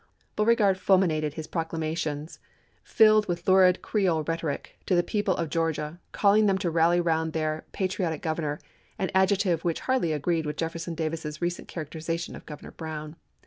Beauregard fulminated his proclamations, filled with lurid Creole rhetoric, to the people of Georgia, calling them to rally around their " patri otic Governor "— an adjective which hardly agreed with Jefferson Davis's recent characterization of Governor Brown.